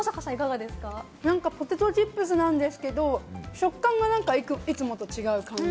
ポテトチップスなんですけれども、食感がなんかいつもと違う感じ。